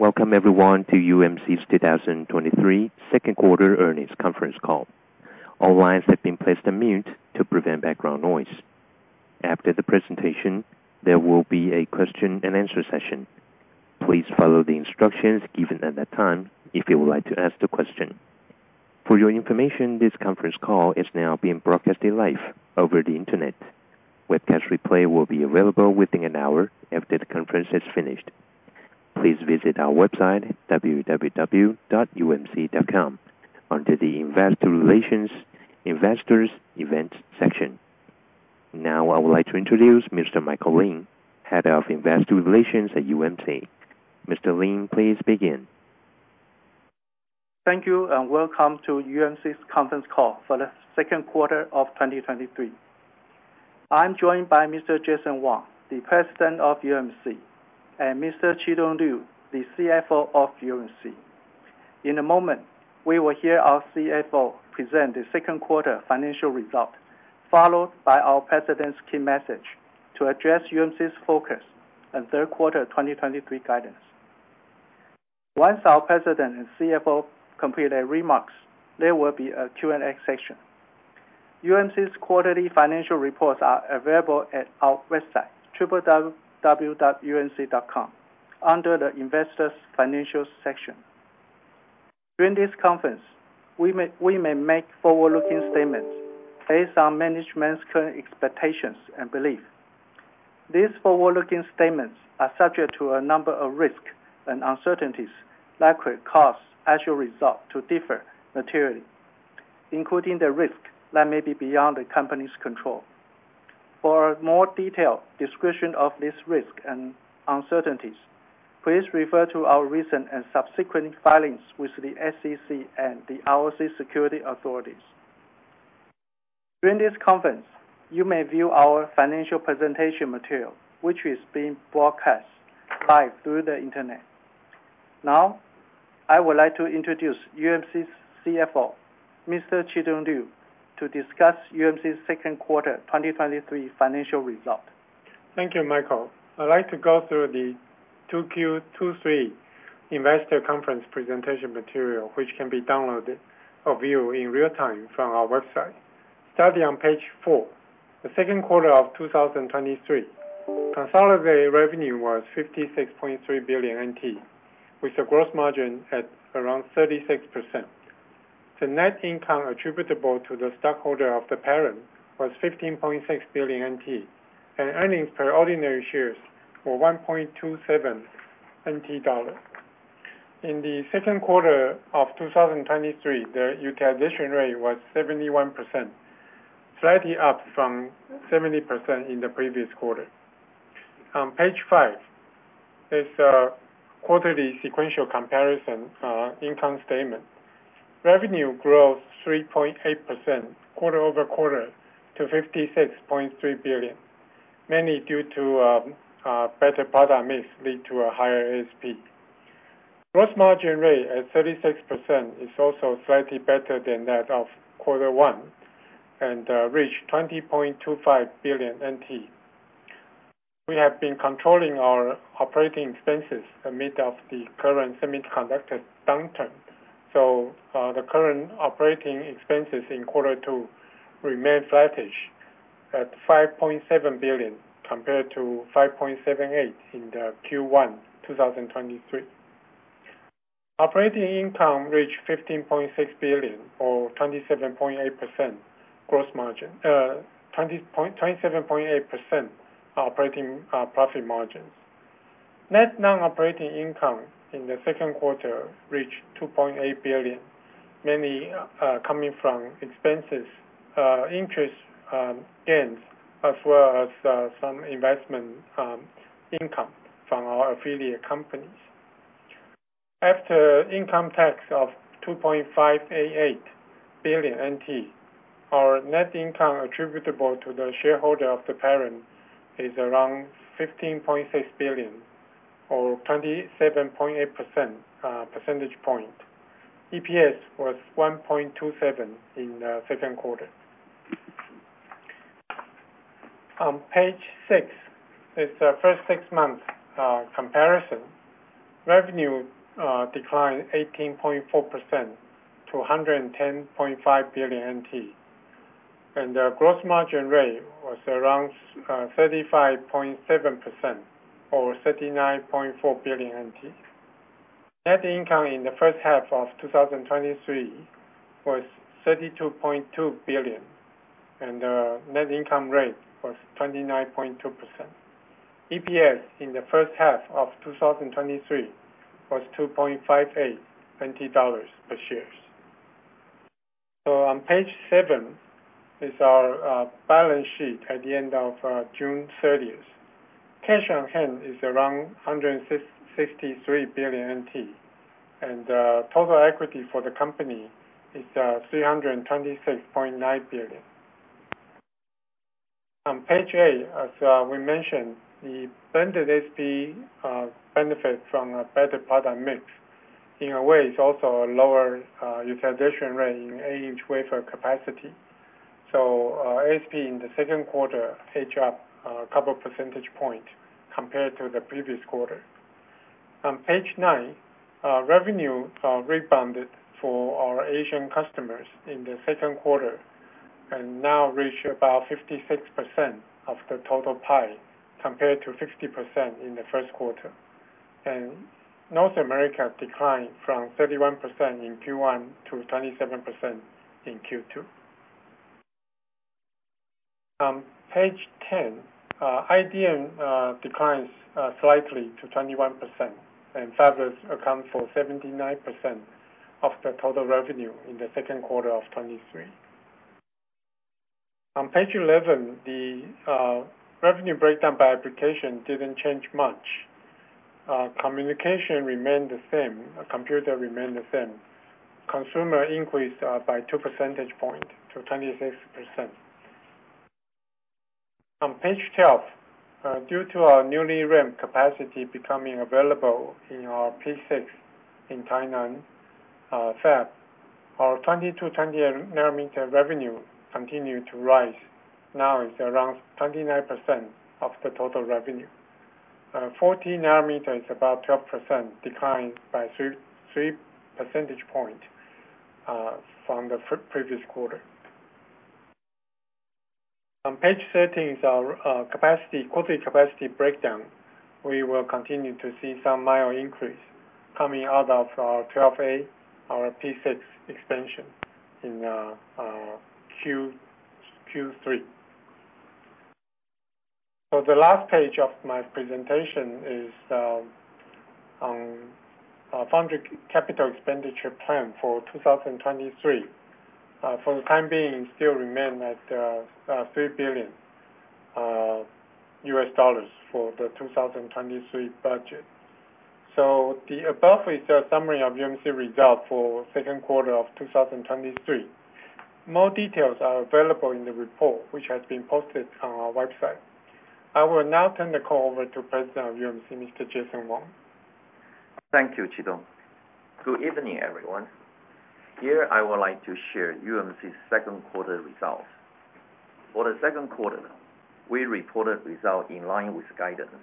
Welcome everyone to UMC's 2023 2Q earnings conference call. All lines have been placed on mute to prevent background noise. After the presentation, there will be a question and answer session. Please follow the instructions given at that time if you would like to ask the question. For your information, this conference call is now being broadcasted live over the Internet. Webcast replay will be available within an hour after the conference has finished. Please visit our website, www.umc.com, under the Investor Relations Investors Events section. I would like to introduce Mr. Michael Lin, Head of Investor Relations at UMC. Mr. Lin, please begin. Thank you. Welcome to UMC's conference call for the second quarter of 2023. I'm joined by Mr. Jason Wang, the President of UMC, and Mr. Chi-Tung Liu, the CFO of UMC. In a moment, we will hear our CFO present the second quarter financial result, followed by our President's key message to address UMC's focus on third quarter 2023 guidance. Once our President and CFO complete their remarks, there will be a Q&A session. UMC's quarterly financial reports are available at our website, www.umc.com, under the Investors Financial section. During this conference, we may make forward-looking statements based on management's current expectations and belief. These forward-looking statements are subject to a number of risks and uncertainties that could cause actual results to differ materially, including the risk that may be beyond the company's control. For a more detailed description of this risk and uncertainties, please refer to our recent and subsequent filings with the SEC and the ROC security authorities. During this conference, you may view our financial presentation material, which is being broadcast live through the Internet. I would like to introduce UMC's CFO, Mr. Chi-Tung Liu, to discuss UMC's 2Q 2023 financial result. Thank you, Michael. I'd like to go through the 2Q23 investor conference presentation material, which can be downloaded or viewed in real time from our website. Starting on page four, the second quarter of 2023, consolidated revenue was 56.3 billion NT, with a gross margin at around 36%. The net income attributable to the stockholder of the parent was 15.6 billion NT, and earnings per ordinary shares were 1.27 NT dollars. In the second quarter of 2023, the utilization rate was 71%, slightly up from 70% in the previous quarter. On page five, is a quarterly sequential comparison, income statement. Revenue growth 3.8% quarter-over-quarter to 56.3 billion, mainly due to better product mix lead to a higher ASP. Gross margin rate at 36% is also slightly better than that of Q1 and reached 20.25 billion NT. We have been controlling our operating expenses amid of the current semiconductor downturn. The current operating expenses in Q2 remained vantage at 5.7 billion, compared to 5.78 billion in the Q1 2023. Operating income reached 15.6 billion, or 27.8% gross margin, 27.8% operating profit margins. Net non-operating income in Q2 reached 2.8 billion, mainly coming from expenses, interest gains, as well as some investment income from our affiliate companies. After income tax of 2.588 billion NT, our net income attributable to the shareholder of the parent is around 15.6 billion, or 27.8 percentage point. EPS was 1.27 in the second quarter. On page six, is the first six months comparison. Revenue declined 18.4% to 110.5 billion NT, and the gross margin rate was around 35.7%, or 39.4 billion NT. Net income in the first half of 2023 was 32.2 billion, and the net income rate was 29.2%. EPS in the first half of 2023 was 2.58 per share. On page seven is our balance sheet at the end of June 30th. Cash on hand is around 163 billion NT, total equity for the company is 326.9 billion. On page eight, as we mentioned, the blended ASP benefit from a better product mix. In a way, it's also a lower utilization rate in eight-inch wafer capacity. ASP in the second quarter, aged up couple percentage point compared to the previous quarter. On page nine, revenue rebounded for our Asian customers in the second quarter, now reach about 56% of the total pie, compared to 50% in the first quarter. North America declined from 31% in Q1 to 27% in Q2. On page 10, IDM declines slightly to 21%. Fabless account for 79% of the total revenue in the second quarter of 2023. On page 11, the revenue breakdown by application didn't change much. Communication remained the same. Computer remained the same. Consumer increased by 2 percentage point to 26%. On page 12, due to our newly ramp capacity becoming available in our P6 in Tainan Fab, our 22 nm, 20 nm revenue continued to rise. Now it's around 29% of the total revenue. 14 nm is about 12%, declined by 3 percentage point from the pre-previous quarter. On page 13 is our capacity, quarterly capacity breakdown. We will continue to see some minor increase coming out of our Fab 12A, our P6 expansion in Q3. The last page of my presentation is our foundry capital expenditure plan for 2023. For the time being, it still remain at $3 billion for the 2023 budget. The above is a summary of UMC results for second quarter of 2023. More details are available in the report, which has been posted on our website. I will now turn the call over to President of UMC, Mr. Jason Wang. Thank you, Chi-Tung. Good evening, everyone. Here, I would like to share UMC's second quarter results. For the second quarter, we reported results in line with guidance,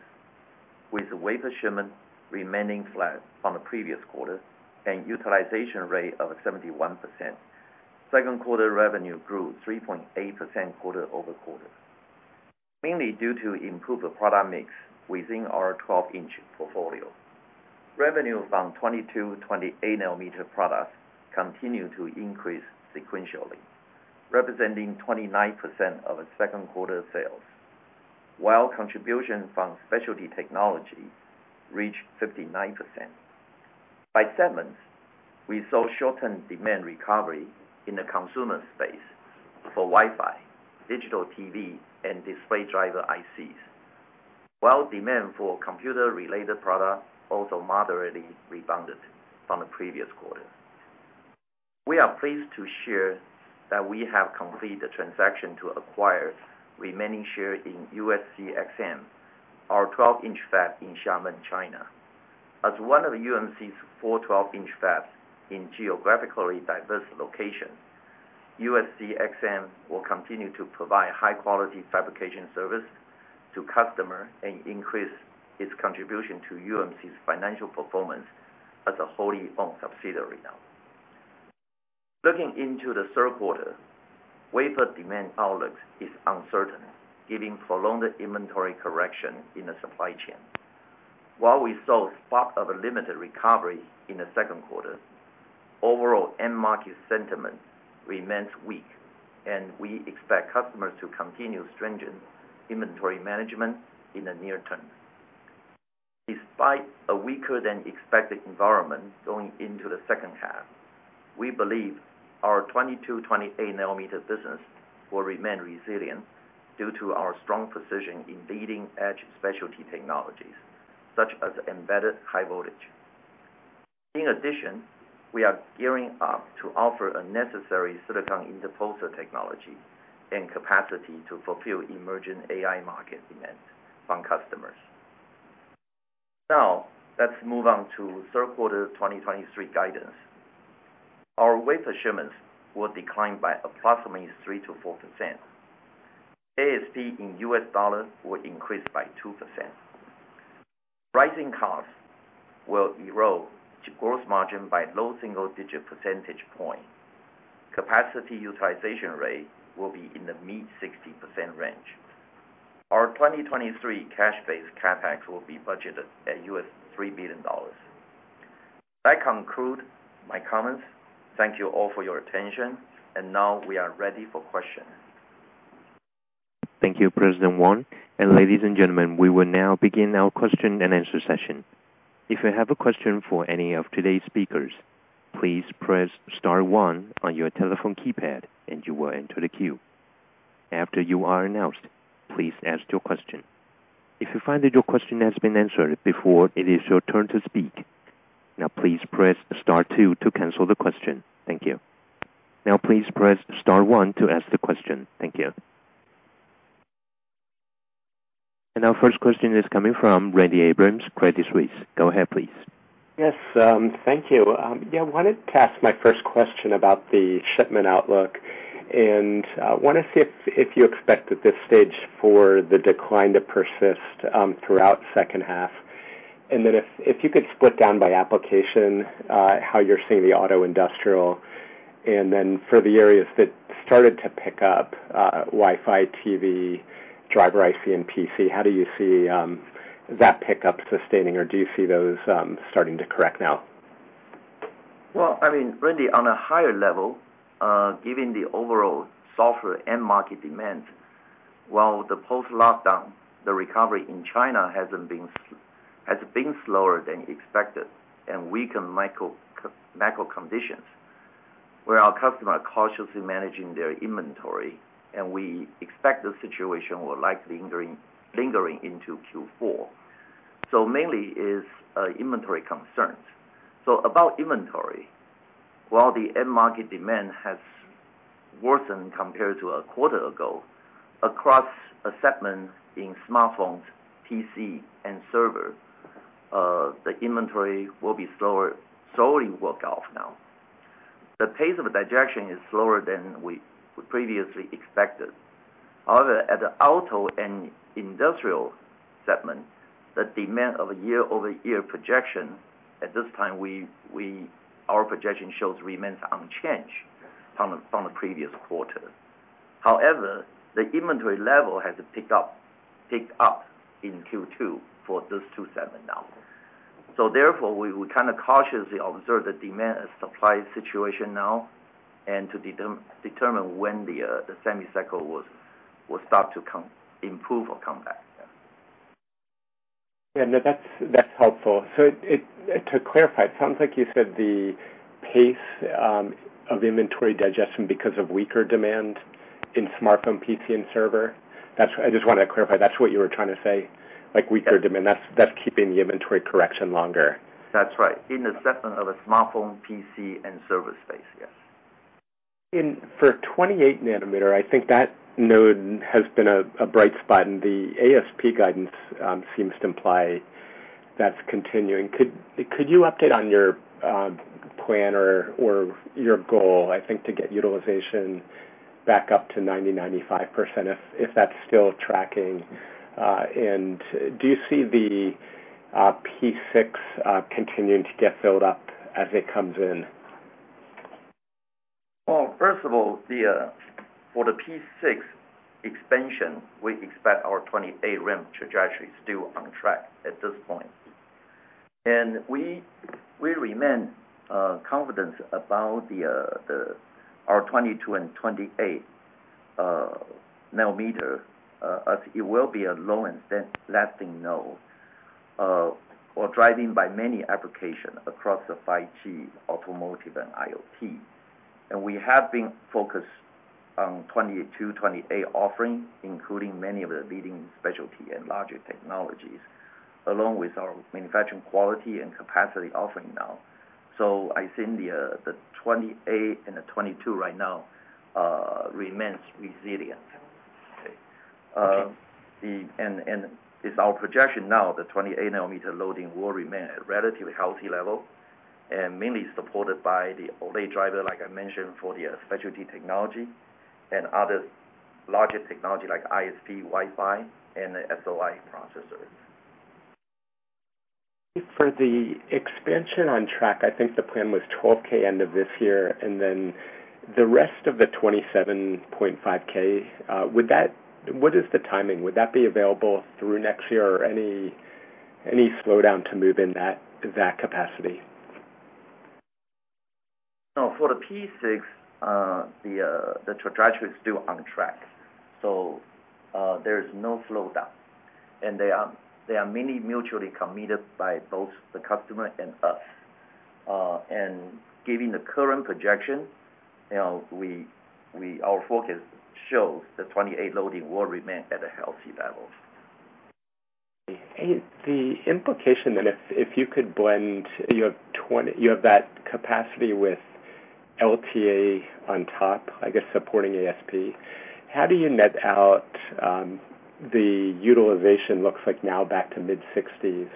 with wafer shipment remaining flat from the previous quarter and utilization rate of 71%. Second quarter revenue grew 3.8% quarter-over-quarter, mainly due to improved product mix within our 12 in portfolio. Revenue from 22 nm, 28 nm products continued to increase sequentially, representing 29% of second quarter sales, while contribution from specialty technology reached 59%. By segments, we saw shortened demand recovery in the consumer space for Wi-Fi, digital TV, and display driver ICs, while demand for computer-related products also moderately rebounded from the previous quarter. We are pleased to share that we have completed the transaction to acquire remaining shares in USCXM, our 12 in fab in Xiamen, China. As one of UMC's four 12 in fabs in geographically diverse locations, USCXM will continue to provide high-quality fabrication service to customers and increase its contribution to UMC's financial performance as a wholly-owned subsidiary now. Looking into the third quarter, wafer demand outlook is uncertain, giving prolonged inventory correction in the supply chain. While we saw spot of a limited recovery in the second quarter, overall end market sentiment remains weak, and we expect customers to continue stringent inventory management in the near term. Despite a weaker than expected environment going into the second half, we believe our 22 nm, 28 nm business will remain resilient due to our strong position in leading-edge specialty technologies, such as embedded high voltage. In addition, we are gearing up to offer a necessary silicon interposer technology and capacity to fulfill emerging AI market demand from customers. Now, let's move on to third quarter 2023 guidance. Our wafer shipments will decline by approximately 3%-4%. ASP in US dollars will increase by 2%. Rising costs will erode gross margin by low single digit percentage point. Capacity utilization rate will be in the mid-60% range. Our 2023 cash-based CapEx will be budgeted at $3 billion. That conclude my comments. Thank you all for your attention, and now we are ready for question. Thank you, President Wang. Ladies and gentlemen, we will now begin our question and answer session. If you have a question for any of today's speakers, please press star one on your telephone keypad, and you will enter the queue. After you are announced, please ask your question. If you find that your question has been answered before it is your turn to speak, now please press star two to cancel the question. Thank you. Please press star one to ask the question. Thank you. Our first question is coming from Randy Abrams, Credit Suisse. Go ahead, please. Yes, thank you. Yeah, I wanted to ask my first question about the shipment outlook, and want to see if you expect at this stage for the decline to persist throughout second half? If you could split down by application, how you're seeing the auto industrial, and then for the areas that started to pick up, Wi-Fi, TV, driver IC and PC, how do you see that pickup sustaining, or do you see those starting to correct now? Well, I mean, Randy, on a higher level, given the overall software and market demand, while the post-lockdown, the recovery in China has been slower than expected, and weaker macro conditions, where our customer are cautiously managing their inventory, and we expect the situation will likely lingering into Q4. Mainly is inventory concerns. About inventory, while the end market demand has worsened compared to a quarter ago, across a segment in smartphones, PC and server, the inventory will be slower, slowly work off now. The pace of digestion is slower than we previously expected. However, at the auto and industrial segment, the demand of a year-over-year projection, at this time, our projection shows remains unchanged from the previous quarter. However, the inventory level has picked up in Q2 for those two segment now. Therefore, we kind of cautiously observe the demand and supply situation now, and to determine when the semi cycle will start to come, improve or come back. Yeah. Yeah, no, that's helpful. To clarify, it sounds like you said the pace of inventory digestion because of weaker demand in smartphone, PC and server. That's, I just want to clarify, that's what you were trying to say? Like, weaker demand, that's keeping the inventory correction longer. That's right. In the segment of a smartphone, PC and server space, yes. For 28 nm, I think that node has been a bright spot, and the ASP guidance seems to imply that's continuing. Could you update on your plan or your goal, I think, to get utilization back up to 90%-95%, if that's still tracking? Do you see the P6 continuing to get filled up as it comes in? Well, first of all, the for the P6 expansion, we expect our 28 rim trajectory still on track at this point. We remain confident about the our 22 nm and 28 nm as it will be a low and lasting node or driving by many application across the 5G, automotive and IoT. We have been focused on 22, 28 offering, including many of the leading specialty and larger technologies, along with our manufacturing quality and capacity offering now. I think the 28 and the 22 right now remains resilient. Okay. It's our projection now, the 28 nm loading will remain at a relatively healthy level. Mainly supported by the OLED driver, like I mentioned, for the specialty technology and other larger technology like ISP, Wi-Fi and SOI processors. For the expansion on track, I think the plan was 12K end of this year, and then the rest of the 27.5K, what is the timing? Would that be available through next year or any slowdown to move in that capacity? No, for the P6, the trajectory is still on track, so there is no slowdown. They are mainly mutually committed by both the customer and us. Given the current projection, you know, our focus shows the 28 loading will remain at a healthy level. The implication, if you could blend, you have that capacity with LTA on top, I guess, supporting ASP, how do you net out, the utilization looks like now back to mid-60s.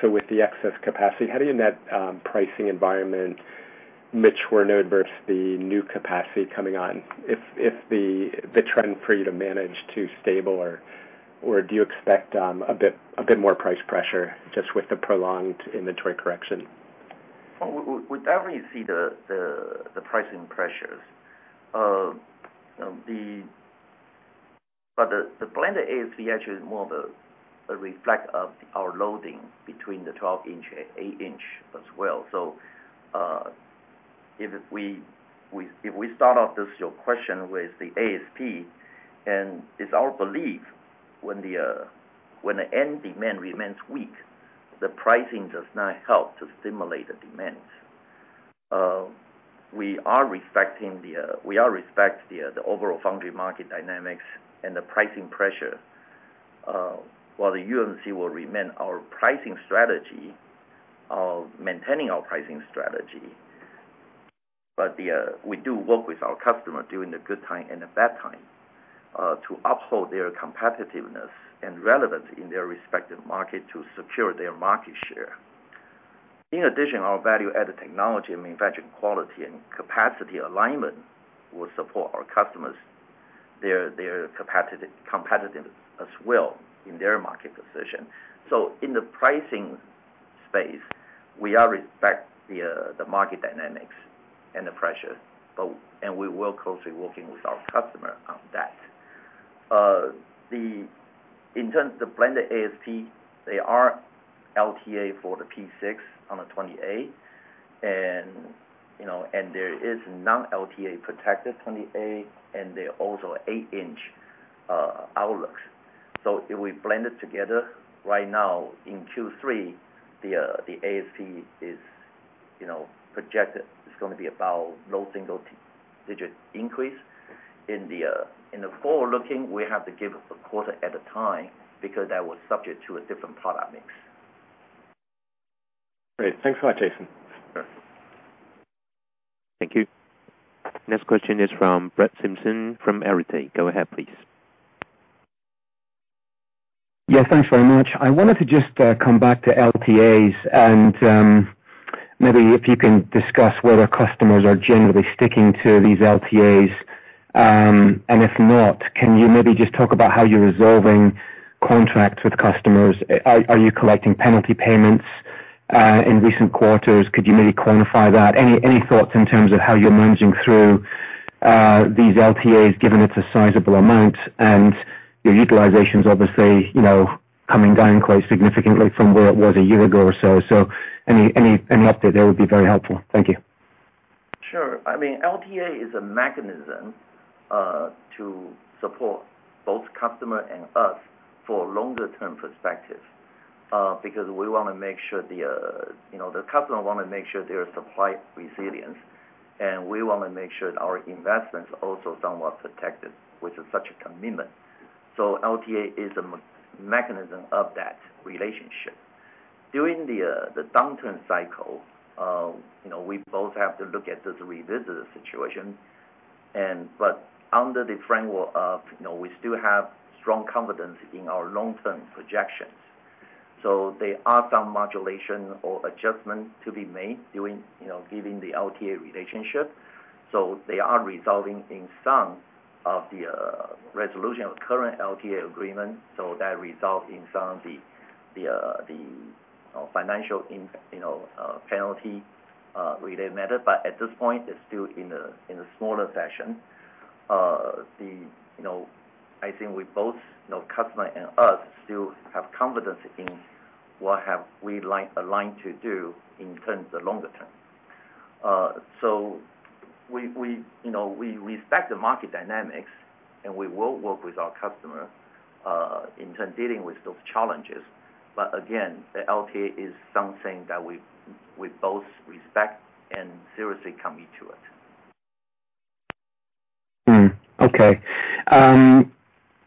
With the excess capacity, how do you net pricing environment, mature node versus the new capacity coming on? If the trend for you to manage to stable or do you expect a bit more price pressure just with the prolonged inventory correction? Well, we definitely see the pricing pressures. The blended ASP actually is more of a reflect of our loading between the 12 in and 8 in as well. If we start off this, your question with the ASP, it's our belief when the end demand remains weak, the pricing does not help to stimulate the demand. We are respecting the, we are respect the overall foundry market dynamics and the pricing pressure. While UMC will remain our pricing strategy, of maintaining our pricing strategy. We do work with our customer during the good time and the bad time to uphold their competitiveness and relevance in their respective market to secure their market share. In addition, our value-added technology and manufacturing quality and capacity alignment will support our customers, their competitiveness as well in their market position. In the pricing space, we are respect the market dynamics and the pressure, but, and we work closely working with our customer on that. In terms the blended ASP, they are LTA for the P6 on the 28. You know, and there is non-LTA protected 28, and they're also 8 in outlooks. If we blend it together right now in Q3, the ASP is, you know, projected, it's gonna be about low single-digit increase. In the forward looking, we have to give a quarter at a time, because that was subject to a different product mix. Great. Thanks a lot, Jason. Sure. Thank you. Next question is from Brett Simpson from Arete. Go ahead, please. Yes, thanks very much. I wanted to just come back to LTAs. Maybe if you can discuss whether customers are generally sticking to these LTAs. If not, can you maybe just talk about how you're resolving contracts with customers? Are you collecting penalty payments in recent quarters? Could you maybe quantify that? Any thoughts in terms of how you're managing through these LTAs, given it's a sizable amount and your utilization's obviously, you know, coming down quite significantly from where it was a year ago or so. Any update there would be very helpful. Thank you. Sure. I mean, LTA is a mechanism to support both customer and us for longer term perspective, because we wanna make sure the, you know, the customer wanna make sure their supply resilience, and we wanna make sure our investments are also somewhat protected, which is such a commitment. LTA is a mechanism of that relationship. During the downturn cycle, you know, we both have to look at this, revisit the situation, and but under the framework of, you know, we still have strong confidence in our long-term projections. There are some modulation or adjustments to be made during, you know, giving the LTA relationship, so they are resolving in some of the resolution of current LTA agreement. That result in some of the, the, you know, financial in, you know, penalty related matter. At this point, it's still in a smaller fashion. You know, I think we both, you know, customer and us, still have confidence in what have we like aligned to do in terms of longer term. We, you know, we respect the market dynamics, and we will work with our customer, in terms dealing with those challenges. Again, the LTA is something that we both respect and seriously commit to it. Okay.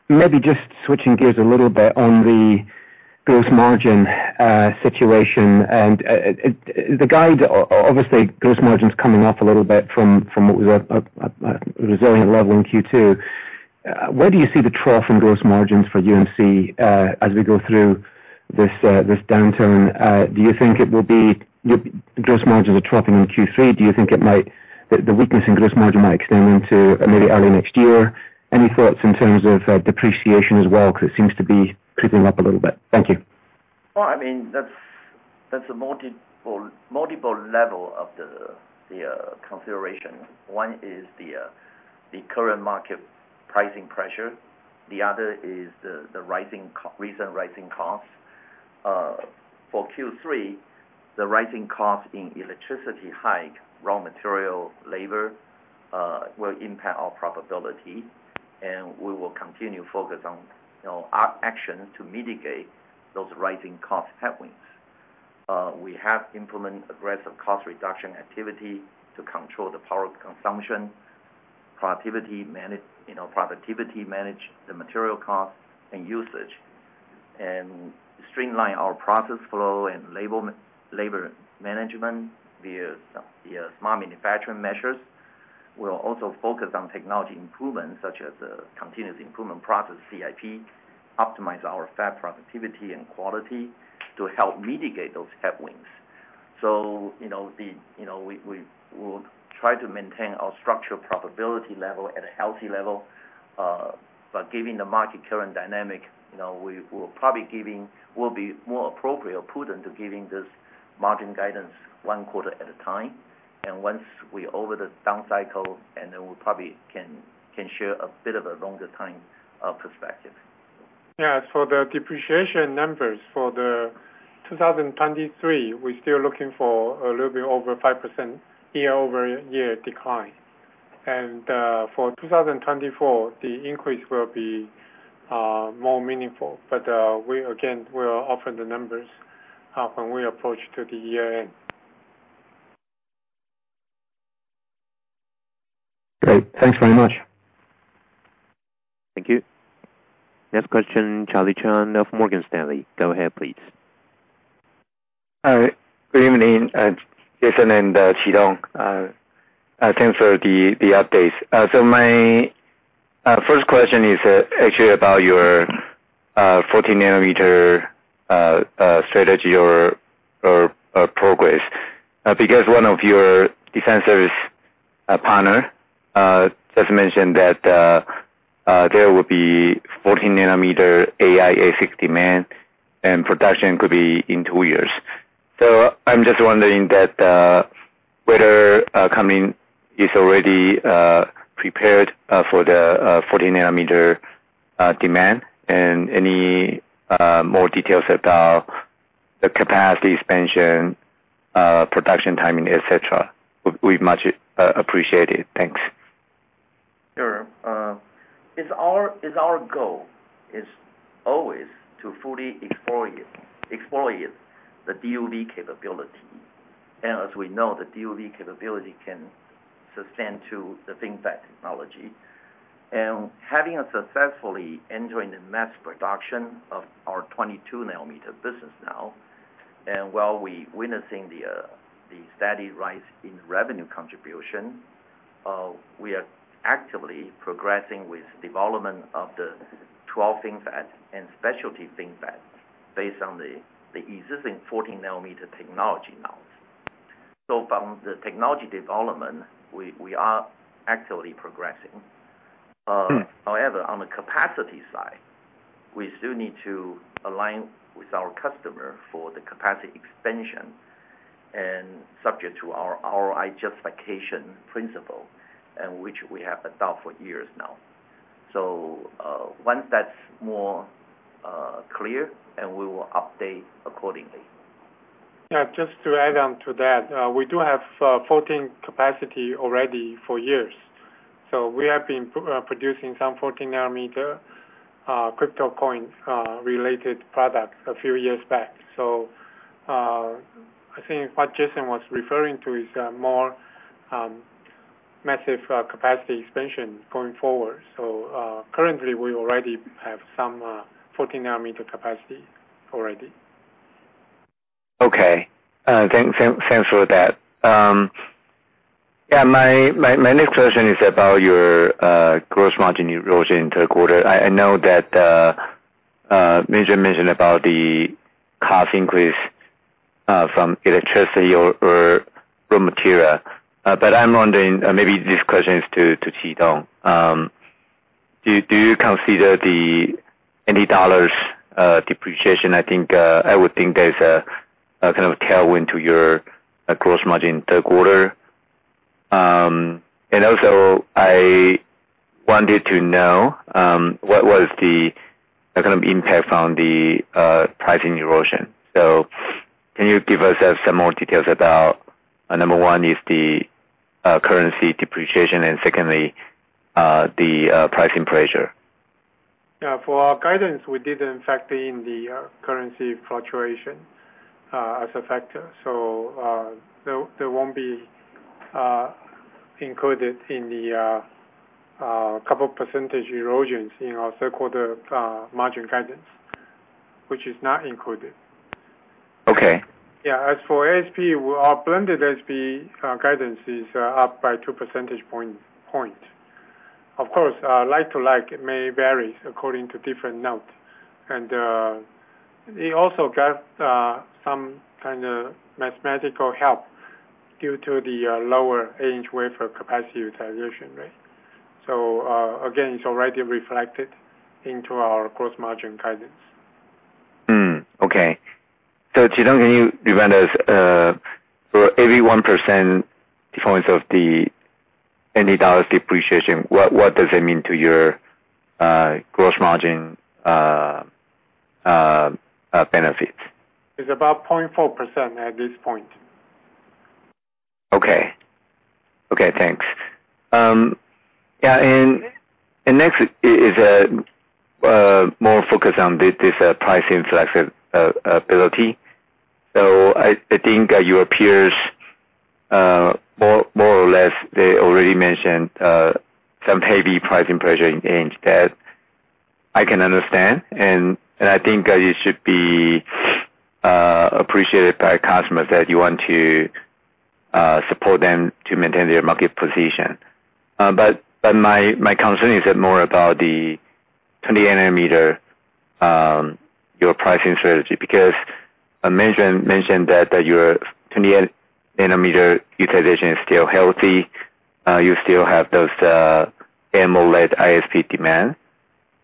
Maybe just switching gears a little bit on the gross margin situation. It, the guide, obviously, gross margin's coming off a little bit from what was a resilient level in Q2. Where do you see the trough in gross margins for UMC, as we go through this downturn? Do you think it will be gross margins are troughing in Q3? Do you think it might, the weakness in gross margin might extend into maybe early next year? Any thoughts in terms of depreciation as well, because it seems to be creeping up a little bit. Thank you. Well, I mean, that's a multiple level of the consideration. One is the current market pricing pressure, the other is the recent rising costs. For Q3, the rising cost in electricity hike, raw material, labor, will impact our profitability, and we will continue to focus on, you know, our action to mitigate those rising cost headwinds. We have implemented aggressive cost reduction activity to control the power consumption, productivity, manage, you know, productivity, manage the material cost and usage, and streamline our process flow and labor management via the smart manufacturing measures. We'll also focus on technology improvements, such as continuous improvement process, CIP, optimize our fab productivity and quality to help mitigate those headwinds. You know, the, you know, we will try to maintain our structural profitability level at a healthy level. Given the market current dynamic, you know, we will probably be more appropriate or prudent to giving this margin guidance one quarter at a time. Once we're over the down cycle, and then we probably can share a bit of a longer time, perspective. Yeah. The depreciation numbers for 2023, we're still looking for a little bit over 5% year-over-year decline. For 2024, the increase will be more meaningful. We again, we'll offer the numbers when we approach to the year end. Great. Thanks very much. Thank you. Next question, Charlie Chan of Morgan Stanley. Go ahead, please. Hi, good evening, Jason and Chi-Tung. Thanks for the updates. My first question is actually about your 14 nm strategy or progress. Because one of your defensors partner just mentioned that there will be 14 nm AI ASIC demand, and production could be in two years. I'm just wondering that whether coming is already prepared for the 14 nm demand, and any more details about the capacity expansion, production timing, et cetera, would be much appreciated. Thanks. Sure. It's our goal is always to fully exploit the DUV capability. As we know, the DUV capability can sustain to the FinFET technology. Having successfully entering the mass production of our 22 nm business now, and while we witnessing the steady rise in revenue contribution, we are actively progressing with development of the 12 FinFET and specialty FinFET based on the existing 14 nm technology now. From the technology development, we are actively progressing. Mm. However, on the capacity side, we still need to align with our customer for the capacity expansion and subject to our ROI justification principle, and which we have adopt for years now. Once that's more clear, and we will update accordingly. Just to add on to that, we do have 14 capacity already for years. We have been producing some 14 nm crypto coin related product a few years back. I think what Jason was referring to is more massive capacity expansion going forward. Currently, we already have some 14 nm capacity already. Okay. Thanks for that. Yeah, my next question is about your gross margin erosion in third quarter. I know that mentioned about the cost increase from electricity or raw material. I'm wondering, maybe this question is to Chi-Tung. Do you consider the TWD depreciation? I think I would think there's a kind of tailwind to your gross margin third quarter. Also, I wanted to know what was the kind of impact on the pricing erosion. Can you give us some more details about, number one, is the currency depreciation, and secondly, the pricing pressure? Yeah, for our guidance, we didn't factor in the currency fluctuation as a factor. there won't be included in the couple percentage erosions in our third quarter margin guidance, which is not included. Okay. As for ASP, our blended ASP, guidance is, up by 2 percentage point. Of course, like to like, it may vary according to different note. We also got, some kind of mathematical help due to the, lower 8 in wafer capacity utilization rate. Again, it's already reflected into our gross margin guidance. Okay. Chi-Tung, can you remind us, for every 1% difference of the TWD depreciation, what does it mean to your gross margin benefit? It's about 0.4% at this point. Okay. Thanks. Next is more focused on this pricing flexibility. I think your peers more or less, they already mentioned some heavy pricing pressure in inch that I can understand, and I think you should be appreciated by customers that you want to support them to maintain their market position. My concern is more about the 20 nm your pricing strategy, because I mentioned that your 20 nm utilization is still healthy. You still have those AMOLED ISP demand.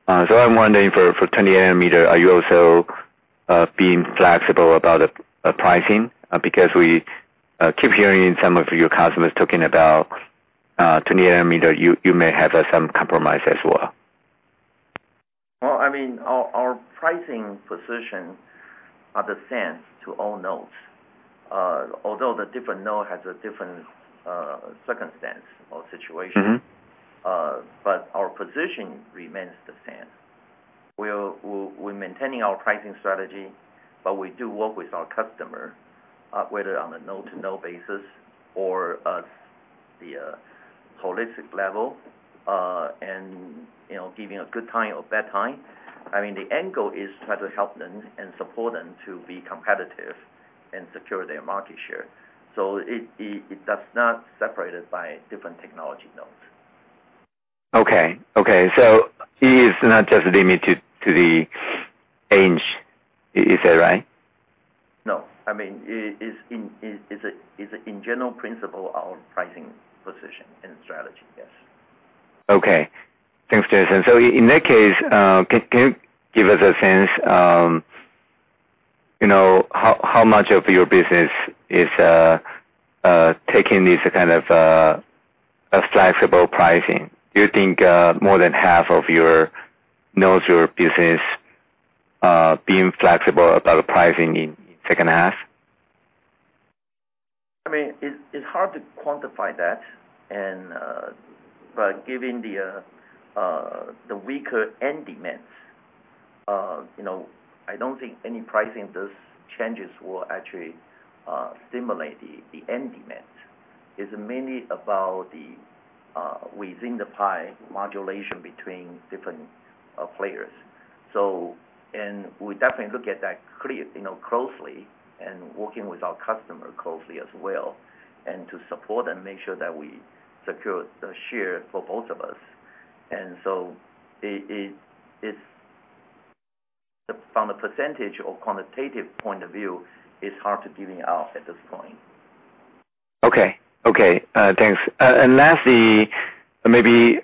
I'm wondering for 20 nm, are you also being flexible about the pricing? Because we keep hearing some of your customers talking about 20 nm, you may have some compromise as well. Well, I mean, our pricing position are the same to all nodes. Although the different node has a different circumstance or situation. Mm-hmm. Our position remains the same. We're maintaining our pricing strategy, but we do work with our customer, whether on a note to note basis or at the holistic level. You know, giving a good time or bad time. I mean, the end goal is try to help them and support them to be competitive and secure their market share. It does not separate it by different technology notes. Okay. Okay. It is not just limited to the inch. Is that right? No. I mean, it is in, it's a general principle, our pricing position and strategy, yes. Okay. Thanks, Jason. In that case, can you give us a sense, you know, how much of your business is taking this kind of a flexible pricing? Do you think more than half of your nodes, your business being flexible about the pricing in second half? I mean, it's hard to quantify that and, but given the weaker end demands, you know, I don't think any pricing those changes will actually stimulate the end demand. It's mainly about the within the pie modulation between different players. We definitely look at that clear, you know, closely and working with our customer closely as well, and to support and make sure that we secure the share for both of us. So it's from the percentage or quantitative point of view, it's hard to giving out at this point. Okay. Thanks. Lastly, maybe,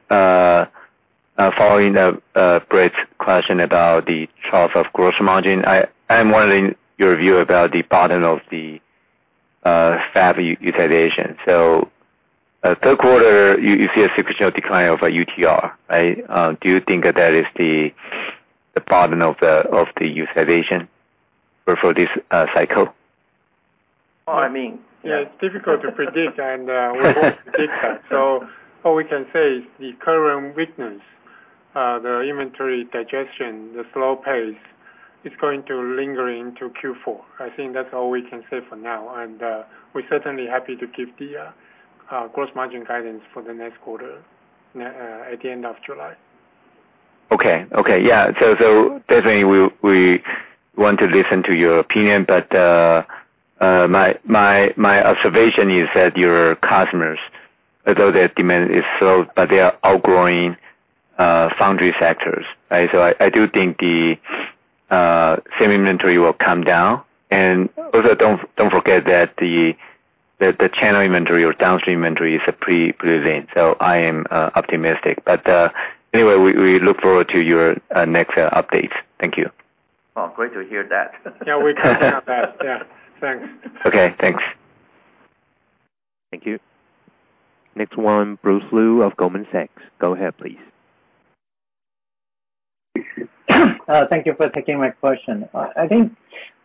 following up Brett's question about the charge of gross margin. I am wondering your view about the bottom of the fab utilization. Third quarter, you see a sequential decline of UTR, right? Do you think that is the problem of the utilization for this cycle? I mean- It's difficult to predict and we want to predict that. All we can say is the current weakness, the inventory digestion, the slow pace, is going to linger into Q4. I think that's all we can say for now, and we're certainly happy to give the gross margin guidance for the next quarter at the end of July. Okay. Yeah. Definitely we want to listen to your opinion, but my observation is that your customers, although their demand is slow, but they are outgrowing foundry factors, right? I do think the same inventory will come down. Also, don't forget that the channel inventory or downstream inventory is present, so I am optimistic. Anyway, we look forward to your next update. Thank you. Well, great to hear that. Yeah, we count on that. Yeah, thanks. Okay, thanks. Thank you. Next one, Bruce Lu of Goldman Sachs. Go ahead, please. Thank you for taking my question. I think,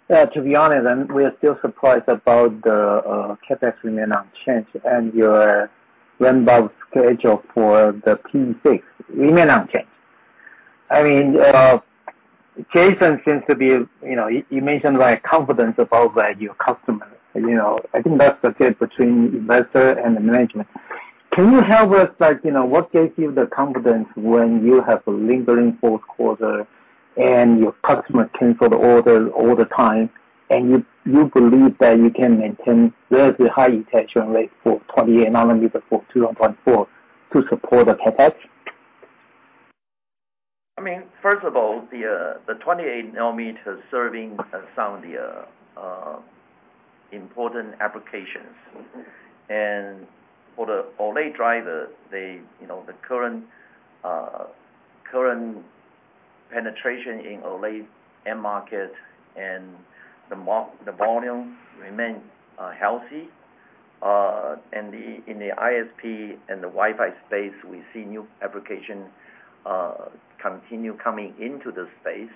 to be honest, we are still surprised about the CapEx remain unchanged, and your ramp-up schedule for the P6 remain unchanged. I mean, Jason seems to be, you know, you mentioned, like, confidence about, like, your customers. You know, I think that's the fit between investor and the management. Can you help us, like, you know, what gives you the confidence when you have a lingering fourth quarter, and your customer cancel the order all the time, and you believe that you can maintain very high attachment rate for 28 nm for 2.4 to support the CapEx? I mean, first of all, the 28 nm serving some of the important applications. For the OLED driver, they, you know, the current penetration in OLED end market and the volume remain healthy. In the ISP and the Wi-Fi space, we see new application continue coming into the space.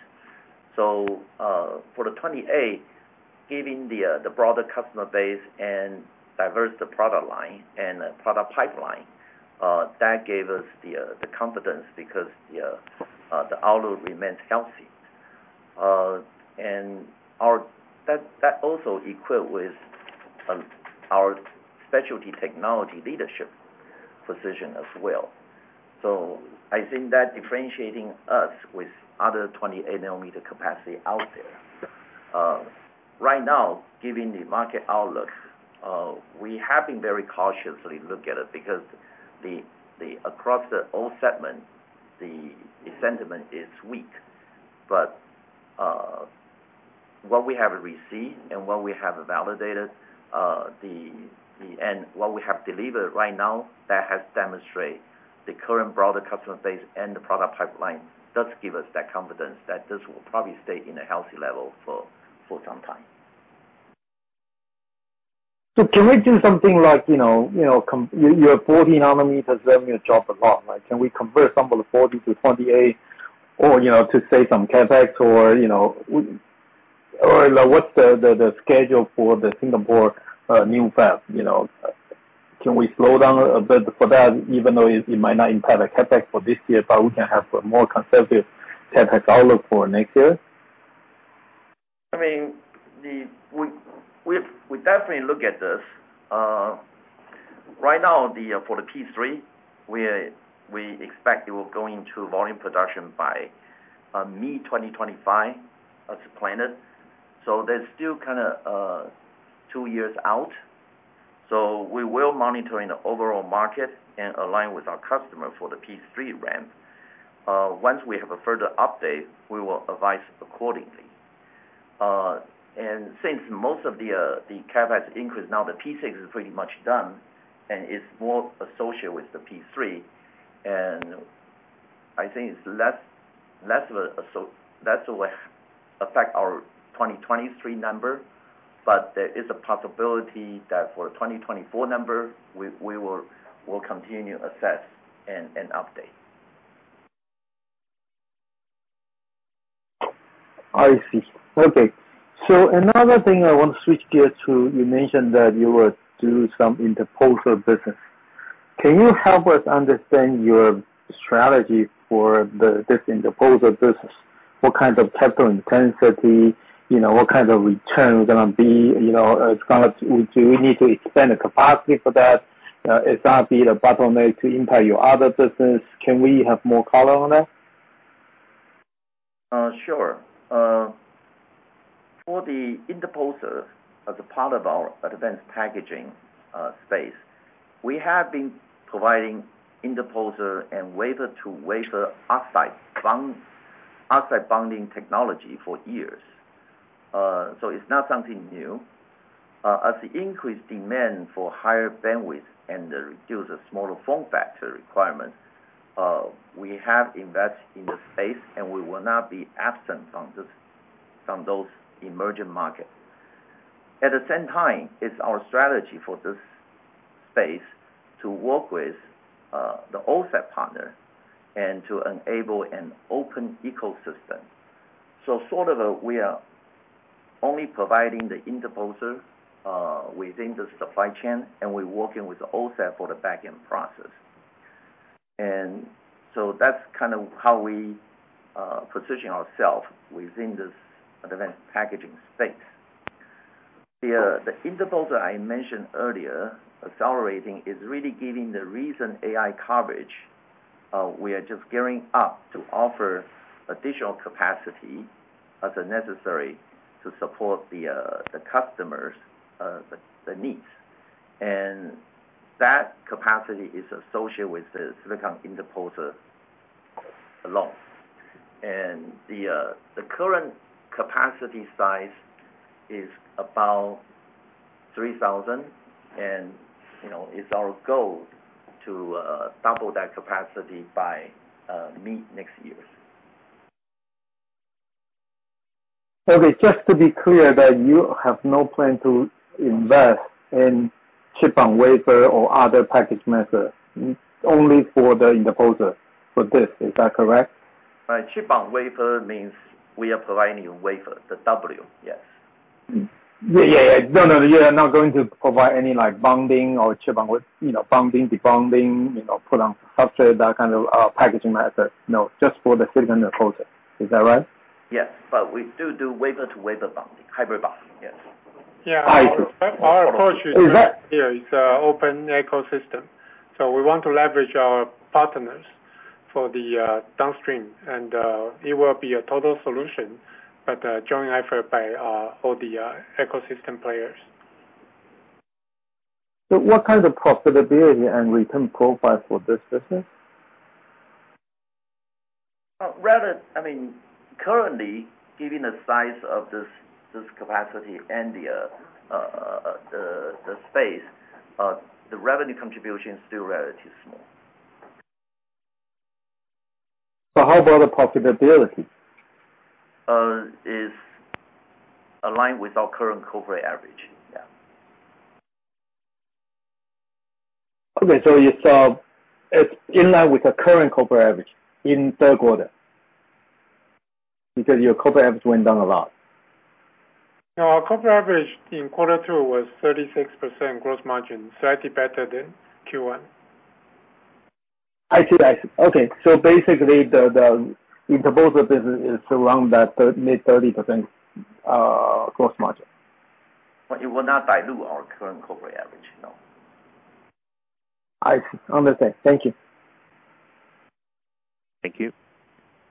For the 28, given the broader customer base and diverse the product line and the product pipeline, that gave us the confidence because the outlook remains healthy. And our. That also equipped with our specialty technology leadership position as well. I think that differentiating us with other 28 nanometer capacity out there. Right now, given the market outlook, we have been very cautiously look at it because the across the all segment, the sentiment is weak. What we have received and what we have validated, and what we have delivered right now, that has demonstrate the current broader customer base and the product pipeline, does give us that confidence that this will probably stay in a healthy level for some time. can we do something like, you know, Your 40 nm revenue dropped a lot. Like, can we convert some of the 40 to 28 or, you know, to save some CapEx or, you know, or what's the schedule for the Singapore new fab, you know? Can we slow down a bit for that, even though it might not impact the CapEx for this year, but we can have a more conservative CapEx outlook for next year? I mean, we definitely look at this. Right now, for the P3, we expect it will go into volume production by mid-2025 as planned. There's still kind of two years out. We will monitoring the overall market and align with our customer for the P3 ramp. Once we have a further update, we will advise accordingly. Since most of the CapEx increase, now the P6 is pretty much done, and it's more associated with the P3, and I think it's less, less of a less will affect our 2023 number. There is a possibility that for 2024 number, we will continue assess and update. I see. Okay. Another thing I want to switch gears to, you mentioned that you would do some interposer business. Can you help us understand your strategy for the, this interposer business? What kind of capital intensity, you know, what kind of return is gonna be, you know, it's gonna, do we need to expand the capacity for that? It's gonna be the bottleneck to impact your other business. Can we have more color on that? Sure. For the interposer as a part of our advanced packaging space, we have been providing interposer and wafer to wafer oxide bond, oxide bonding technology for years. It's not something new. As the increased demand for higher bandwidth and the reduce of smaller form factor requirements, we have invested in the space, and we will not be absent from this, from those emerging markets. At the same time, it's our strategy for this space to work with the OSAT partner and to enable an open ecosystem. Sort of a, we are only providing the interposer within the supply chain, and we're working with OSAT for the back-end process. That's kind of how we position ourselves within this advanced packaging space. The interposer I mentioned earlier, accelerating, is really giving the recent AI coverage. We are just gearing up to offer additional capacity as a necessary to support the customers, the needs. That capacity is associated with the silicon interposer along. The current capacity size is about 3,000, and, you know, it's our goal to double that capacity by mid next year. Okay, just to be clear, that you have no plan to invest in chip-on-wafer or other package method, only for the interposer for this, is that correct? Right. chip-on-wafer means we are providing wafer, the W. Yes. Yeah, yeah. No, no, you are not going to provide any like bonding or chip on you know, bonding, debonding, you know, put on substrate, that kind of packaging method. No, just for the silicon interposer. Is that right? Yes, we do wafer-to-wafer bonding, hybrid bonding. Yes. Yeah. I see. Our approach. Is that? Yeah, it's a open ecosystem, so we want to leverage our partners for the downstream, and it will be a total solution, but a joint effort by all the ecosystem players. What kind of profitability and return profile for this business? Rather, I mean, currently, given the size of this capacity and the space, the revenue contribution is still relatively small. How about the profitability? is aligned with our current corporate average. Yeah. Okay, you saw it's in line with the current corporate average in third quarter, because your corporate average went down a lot. No, our corporate average in quarter two was 36% gross margin, slightly better than Q1. I see. I see. Okay. Basically, the interposer business is around that mid-30% gross margin. It will not dilute our current corporate average, no. I see. Understand. Thank you. Thank you.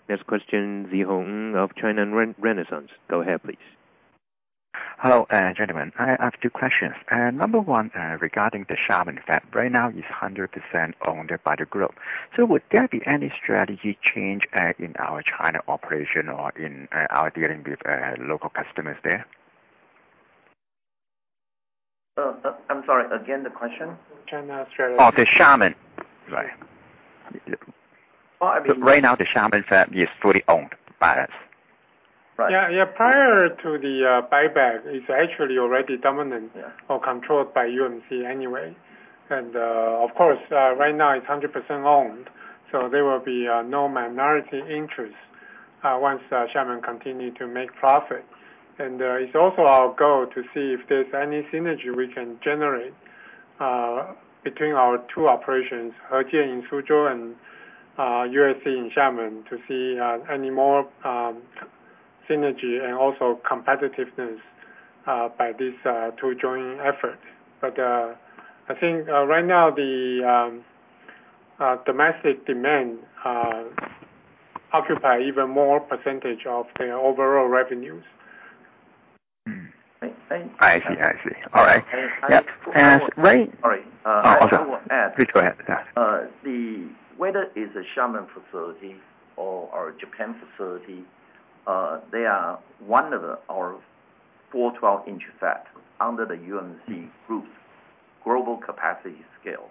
Next question, Szeho Ng of China Renaissance. Go ahead, please. Hello, gentlemen. I have two questions. Number one, regarding the Xiamen fab. Right now, it's 100% owned by the group. Would there be any strategy change in our China operation or in our dealing with local customers there? I'm sorry, again, the question? China strategy. Oh, the Xiamen. Right. Well, I mean-. Right now, the Xiamen fab is fully owned by us. Right. Yeah. Prior to the buyback, it's actually already. Yeah... or controlled by UMC anyway. Of course, right now it's 100% owned, so there will be no minority interest.... once Xiamen continue to make profit. It's also our goal to see if there's any synergy we can generate between our two operations, HeJian in Suzhou and UMC in Xiamen, to see any more synergy and also competitiveness by these two joining efforts. I think right now, the domestic demand occupy even more percentage of the overall revenues. I see. I see. All right. And- Yeah. Sorry. Oh, I'm sorry. I will add. Please go ahead. Yes. Whether it's a Xiamen facility or our Japan facility, they are one of our 4 12 in fab under the UMC Group's global capacity scale.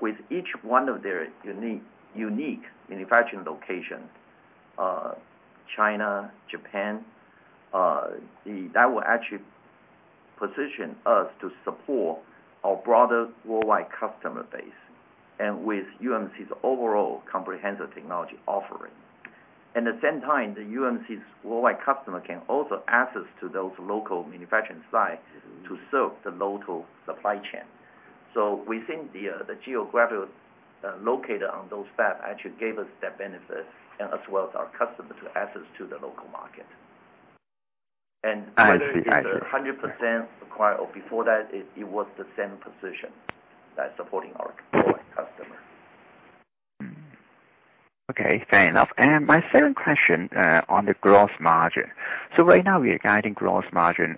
With each one of their unique manufacturing location, China, Japan, that will actually position us to support our broader worldwide customer base, and with UMC's overall comprehensive technology offering. At the same time, the UMC's worldwide customer can also access to those local manufacturing sites to serve the local supply chain. We think the geographical locator on those fab actually gave us that benefit and as well as our customers to access to the local market. I see. I see. 100% acquire or before that, it was the same position that supporting our worldwide customer. Okay, fair enough. My second question on the gross margin. Right now, we are guiding gross margin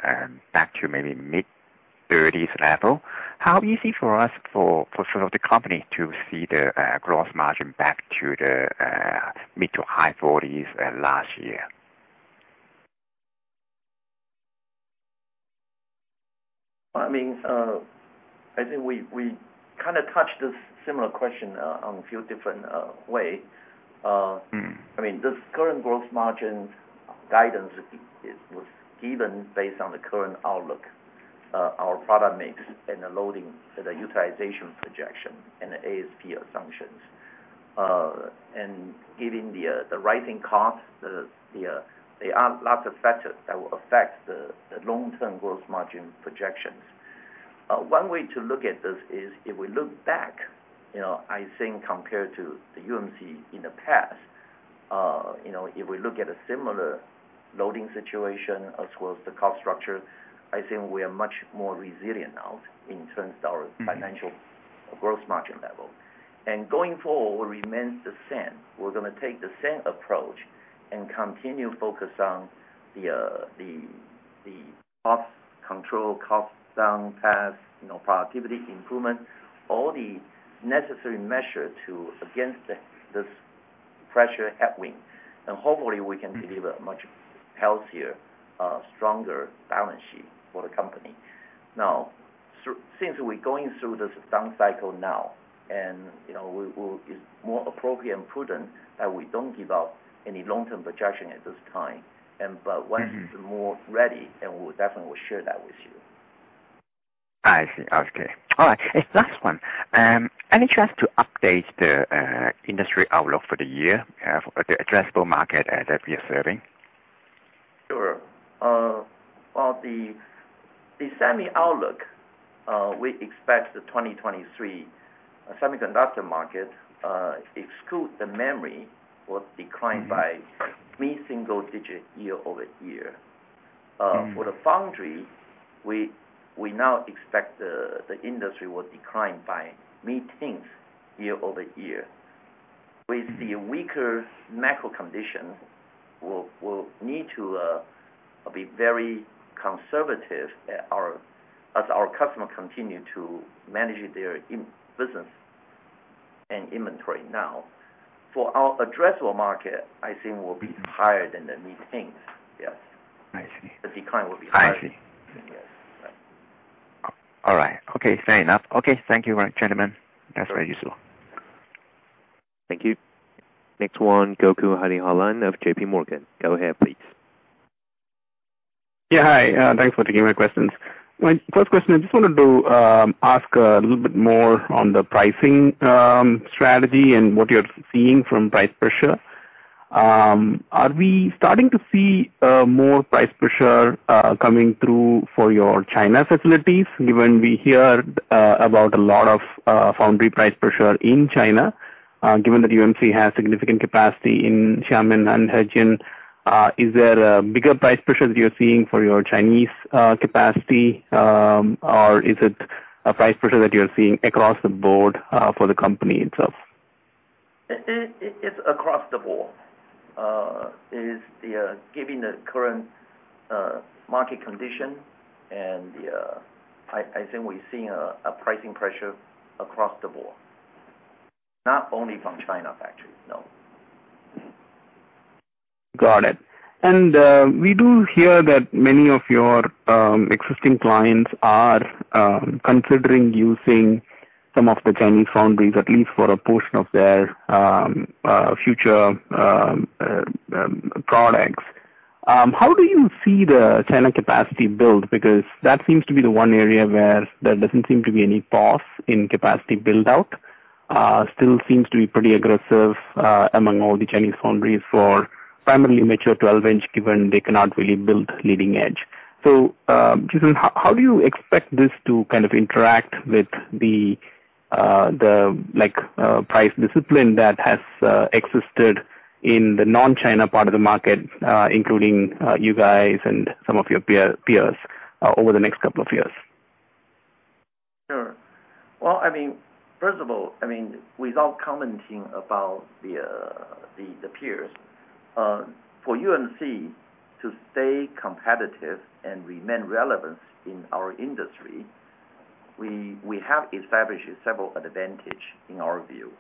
back to maybe mid-30s level. How easy for us, for some of the company to see the gross margin back to the mid-to-high 40s last year? I mean, I think we kind of touched this similar question, on a few different way. Mm-hmm. I mean, this current gross margin guidance is, was given based on the current outlook, our product mix and the loading, the utilization projection and the ASP assumptions. Given the rising costs, there are lots of factors that will affect the long-term gross margin projections. One way to look at this is, if we look back, you know, I think compared to the UMC in the past, you know, if we look at a similar loading situation as well as the cost structure, I think we are much more resilient now in terms of. Mm-hmm. -financial gross margin level. Going forward remains the same. We're gonna take the same approach and continue focus on the cost control, cost-down paths, you know, productivity improvement, all the necessary measures against this pressure headwind. Hopefully, we can deliver a much healthier, stronger balance sheet for the company. Since we're going through this down cycle now, you know, it's more appropriate and prudent that we don't give out any long-term projection at this time. But once- Mm-hmm. It's more ready, then we'll definitely will share that with you. I see. Okay. All right, last one. Any chance to update the industry outlook for the year for the addressable market that we are serving? Sure. well, the semi outlook, we expect the 2023 semiconductor market, exclude the memory, will decline by mid-single digit year-over-year. Mm-hmm. For the foundry, we now expect the industry will decline by mid-teens year-over-year. We see a weaker macro condition. We'll need to be very conservative as our customers continue to manage their business and inventory now. For our addressable market, I think will be higher than the mid-teens. Yes. I see. The decline will be higher. I see. Yes. All right. Okay, fair enough. Okay, thank you, gentlemen. That's very useful. Thank you. Next one, Gokul Hariharan of JPMorgan. Go ahead, please. Yeah, hi. Thanks for taking my questions. My first question, I just wanted to ask a little bit more on the pricing strategy and what you're seeing from price pressure. Are we starting to see more price pressure coming through for your China facilities, given we hear about a lot of foundry price pressure in China? Given that UMC has significant capacity in Xiamen and HeJian, is there a bigger price pressure that you're seeing for your Chinese capacity, or is it a price pressure that you're seeing across the board for the company itself? It's across the board. is the given the current market condition and the. I think we're seeing a pricing pressure across the board, not only from China factory, no. Got it. We do hear that many of your existing clients are considering using some of the Chinese foundries, at least for a portion of their future products. How do you see the China capacity build? Because that seems to be the one area where there doesn't seem to be any pause in capacity build-out. Still seems to be pretty aggressive among all the Chinese foundries for primarily mature 12 in, given they cannot really build leading edge. Jason, how do you expect this to kind of interact with the, like, price discipline that has existed in the non-China part of the market, including you guys and some of your peers over the next couple of years? Sure. Well, I mean, first of all, I mean, without commenting about the peers, for UMC to stay competitive and remain relevant in our industry, we have established several advantage in our view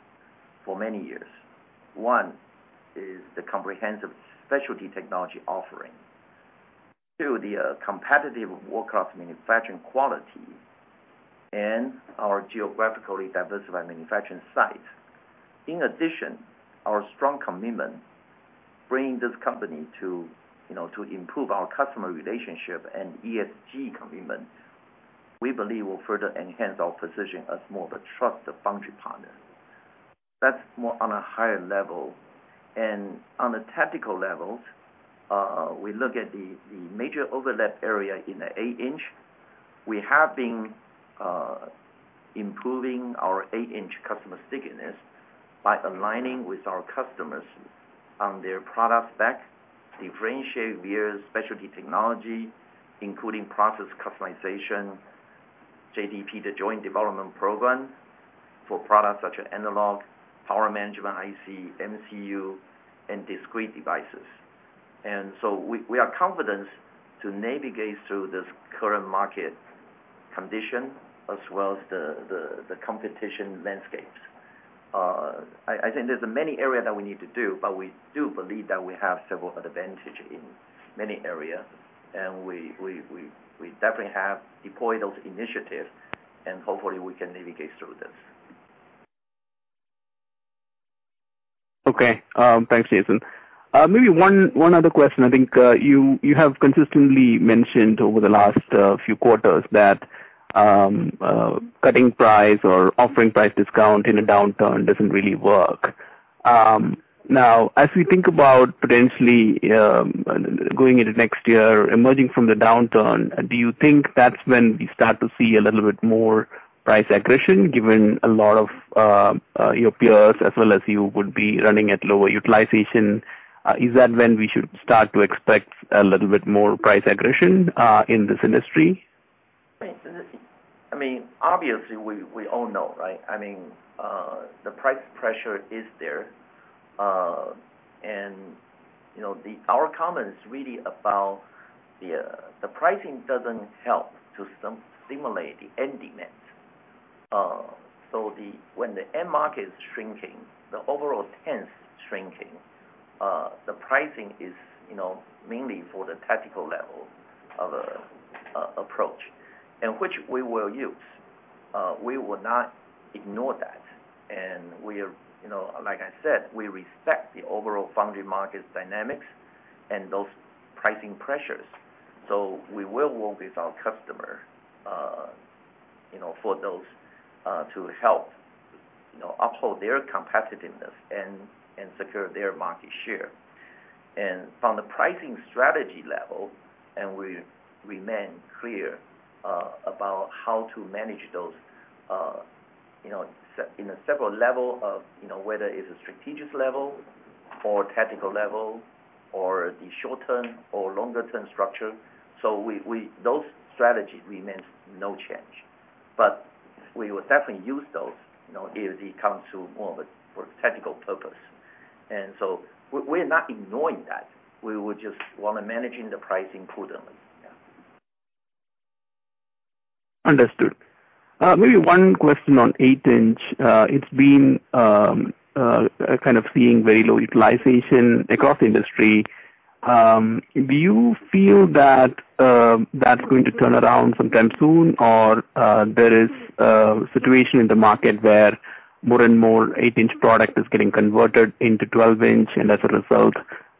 for many years. One, is the comprehensive specialty technology offering. Two, the competitive work of manufacturing quality and our geographically diversified manufacturing site. In addition, our strong commitment, bringing this company to, you know, to improve our customer relationship and ESG commitment, we believe will further enhance our position as more of a trusted foundry partner. That's more on a higher level, and on a tactical level, we look at the major overlap area in the 8 in. We have been improving our 8 in customer stickiness by aligning with our customers on their product specs, differentiate via specialty technology, including process customization, JDP, the Joint Development Program, for products such as analog, power management IC, MCU, and discrete devices. We are confident to navigate through this current market condition as well as the competition landscapes. I think there's many areas that we need to do, but we do believe that we have several advantage in many areas, and we definitely have deployed those initiatives, and hopefully we can navigate through this. Thanks, Jason. Maybe one other question. I think you have consistently mentioned over the last few quarters that cutting price or offering price discount in a downturn doesn't really work. Now, as we think about potentially going into next year, emerging from the downturn, do you think that's when we start to see a little bit more price aggression, given a lot of your peers as well as you would be running at lower utilization? Is that when we should start to expect a little bit more price aggression in this industry? I mean, obviously, we all know, right? I mean, the price pressure is there. You know, our comment is really about the pricing doesn't help to stimulate the end demand. When the end market is shrinking, the overall tense shrinking, the pricing is, you know, mainly for the tactical level of approach, and which we will use. We will not ignore that, and we are, you know, like I said, we respect the overall foundry market dynamics and those pricing pressures. We will work with our customer, you know, for those, to help, you know, uphold their competitiveness and secure their market share. From the pricing strategy level, we remain clear about how to manage those, you know, in a several level of, you know, whether it's a strategic level or tactical level, or the short term or longer term structure. We, those strategies remains no change, but we will definitely use those, you know, if it comes to more of a, for a tactical purpose. We're not ignoring that. We would just want to managing the pricing prudently. Yeah. Understood. Maybe one question on 8 in. It's been, kind of seeing very low utilization across the industry. Do you feel that's going to turn around sometime soon, or, there is a situation in the market where more and more 8 in product is getting converted into 12 in, and as a result,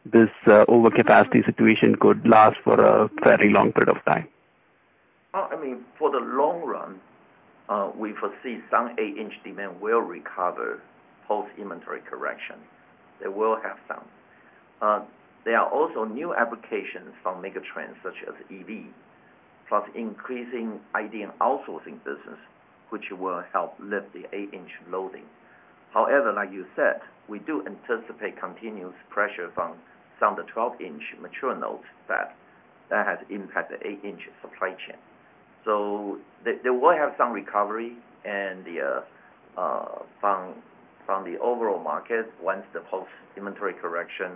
this, overcapacity situation could last for a very long period of time? I mean, for the long run, we foresee some 8 in demand will recover post inventory correction. They will have some. There are also new applications from megatrends such as EV, plus increasing IDM and outsourcing business, which will help lift the 8 in loading. Like you said, we do anticipate continuous pressure from some of the 12 in mature nodes that has impacted the 8 in supply chain. They will have some recovery and the from the overall market once the post inventory correction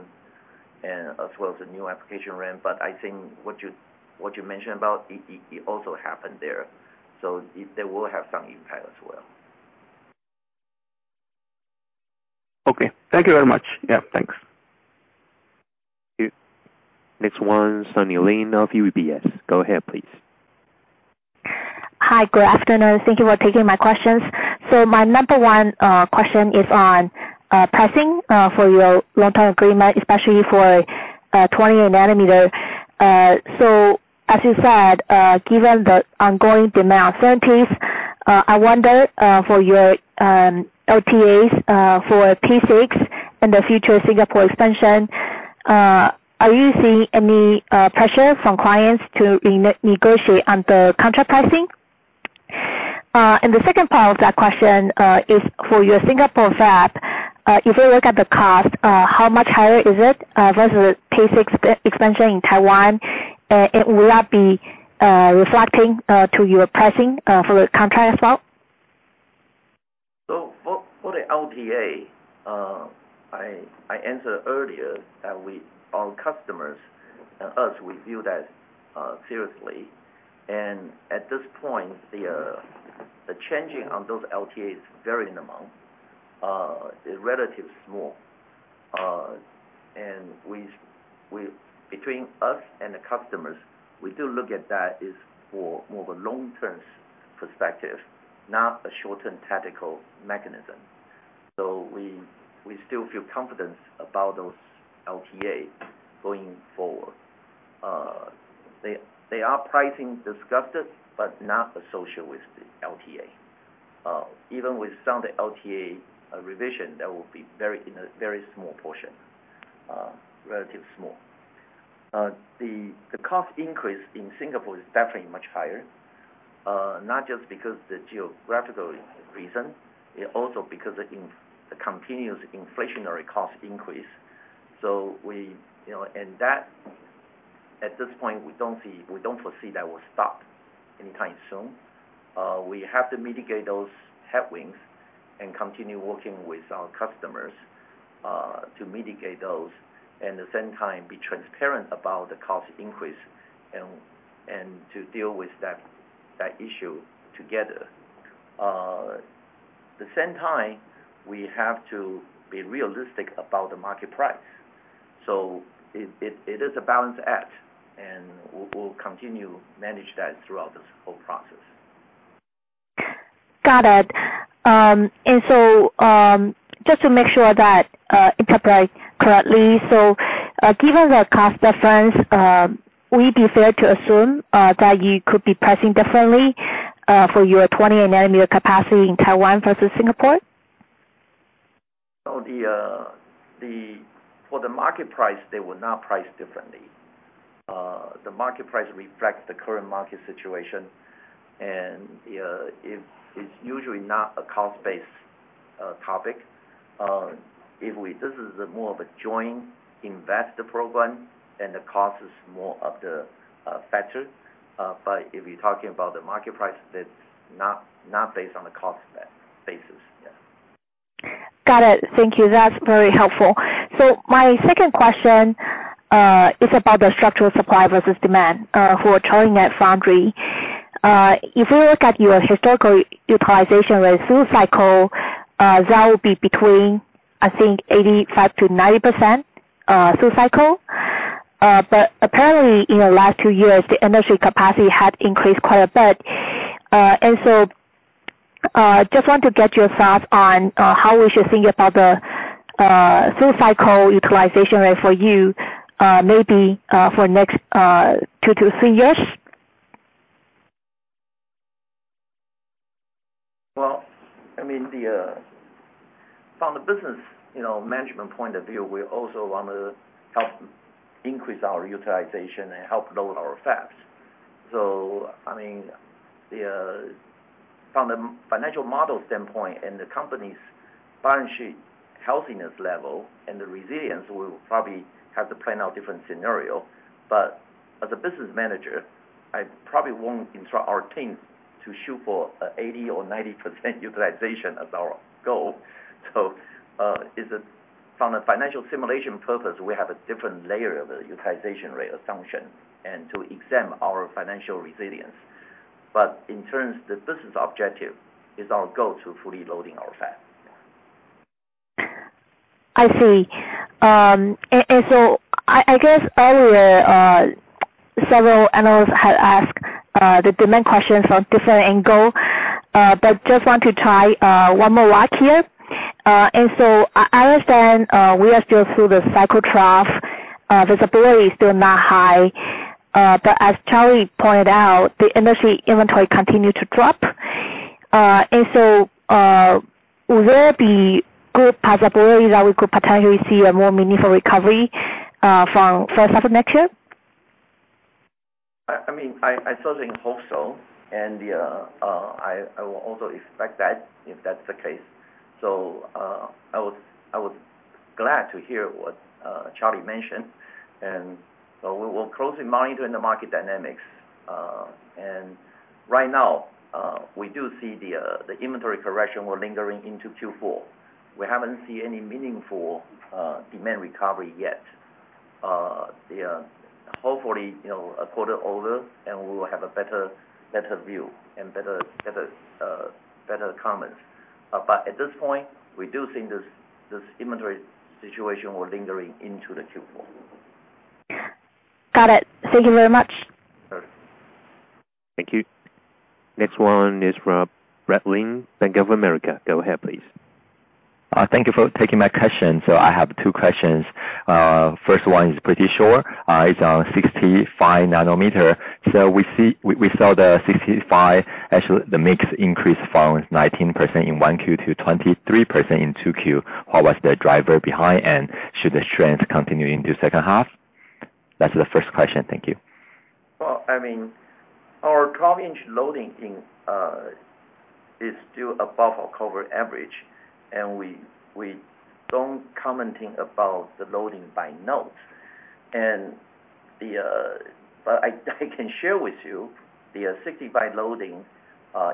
and as well as the new application ramp. I think what you mentioned about, it also happened there, they will have some impact as well. Okay. Thank you very much. Yeah, thanks. Next one, Sunny Lin of UBS. Go ahead, please. Hi, good afternoon. Thank you for taking my questions. My number 1 question is on pricing for your long-term agreement, especially for 20 nm. As you said, given the ongoing demand uncertainties, I wonder for your LTAs for P6 and the future Singapore expansion, are you seeing any pressure from clients to re-negotiate on the contract pricing? The second part of that question is for your Singapore fab. If you look at the cost, how much higher is it versus P6 expansion in Taiwan? Will that be reflecting to your pricing for the contract as well? For, for the LTA, I answered earlier that we, our customers and us, we view that seriously. At this point, the changing on those LTAs, very minimal, is relatively small. And we, between us and the customers, we do look at that is for more of a long-term perspective, not a short-term tactical mechanism. We still feel confident about those LTAs going forward. They are pricing discussed, but not associated with the LTA. Even with some of the LTA, revision, that will be very, in a very small portion, relatively small. The cost increase in Singapore is definitely much higher, not just because the geographical reason, and also because of the continuous inflationary cost increase. We, you know, and that, at this point, we don't foresee that will stop anytime soon. We have to mitigate those headwinds and continue working with our customers, to mitigate those, and the same time be transparent about the cost increase and to deal with that issue together. The same time, we have to be realistic about the market price. It is a balanced act, and we'll continue manage that throughout this whole process. Got it. Just to make sure that interpret correctly, given the cost difference, will it be fair to assume that you could be pricing differently for your 20 nm capacity in Taiwan versus Singapore? For the market price, they will not price differently. The market price reflects the current market situation, and it's usually not a cost-based topic. If this is more of a joint investor program, and the cost is more of the factor. If you're talking about the market price, that's not based on the cost basis. Yeah. Got it. Thank you. That's very helpful. My second question, is about the structural supply versus demand, for a turning at foundry. If we look at your historical utilization rate through cycle, that will be between, I think, 85%-90%, through cycle. Apparently, in the last two years, the industry capacity had increased quite a bit. Just want to get your thoughts on, how we should think about the, through cycle utilization rate for you, maybe, for next, two to three years? Well, I mean, the from a business, you know, management point of view, we also want to help increase our utilization and help load our fabs. I mean, the from the financial model standpoint and the company's balance sheet healthiness level and the resilience, we will probably have to plan out different scenario. As a business manager, I probably won't instruct our team to shoot for 80% or 90% utilization as our goal. Is it from a financial simulation purpose, we have a different layer of the utilization rate assumption and to exam our financial resilience. In terms the business objective, is our goal to fully loading our fab. I see. I guess earlier, several analysts had asked, the demand questions from different angle, but just want to try one more watch here. I understand, we are still through the cycle trough, visibility is still not high. As Charlie pointed out, the industry inventory continued to drop. Will there be good possibility that we could potentially see a more meaningful recovery, from first half of next year? I mean, I certainly hope so. I will also expect that, if that's the case. I was glad to hear what Charlie mentioned, and we will closely monitor the market dynamics. Right now, we do see the inventory correction were lingering into Q4. We haven't seen any meaningful demand recovery yet. The hopefully, you know, a quarter older, and we will have a better view and better comments. At this point, we do think this inventory situation will lingering into the Q4. Got it. Thank you very much. Thank you. Next one is from Brad Lin, Bank of America. Go ahead, please. Thank you for taking my question. I have two questions. First one is pretty short. It's on 65 nm. We saw, actually, the mix increase from 19% in 1Q to 23% in 2Q. What was the driver behind, and should the strength continue into second half? That's the first question. Thank you. Well, I mean, our 12 in loading in is still above our cover average, and we don't commenting about the loading by note. But I can share with you the 65 loading